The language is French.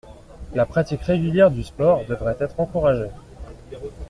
La pratique régulière du sport devrait être encouragée.